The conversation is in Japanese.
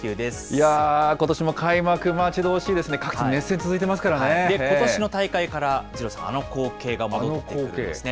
いやぁ、ことしも開幕、待ち遠しいですね、熱戦続いてますかことしの大会から二郎さん、あの光景が戻ってきますね。